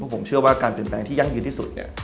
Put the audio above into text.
ผมเชื่อว่าการเปลี่ยนแปลงที่ยั่งยืนที่สุดเนี่ย